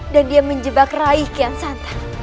dan dia menjebak raih kian santang